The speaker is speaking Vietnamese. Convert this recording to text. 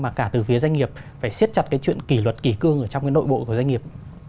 mà cả từ phía doanh nghiệp phải siết chặt cái chuyện kỳ luật kỳ cương trong cái nội bộ của doanh nghiệp